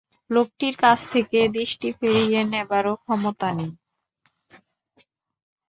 লোকটির কাছ থেকে দৃষ্টি ফিরিয়ে নেবারও ক্ষমতা নেই।